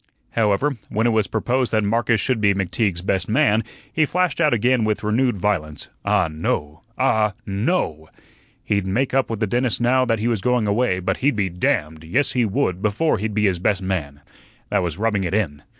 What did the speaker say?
However, when it was proposed that Marcus should be McTeague's best man, he flashed out again with renewed violence. Ah, no! ah, NO! He'd make up with the dentist now that he was going away, but he'd be damned yes, he would before he'd be his best man. That was rubbing it in.